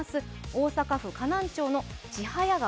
大阪府河南町の千早川。